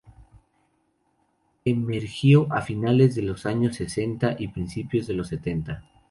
Emergió a finales de los años sesenta y principios de los setenta.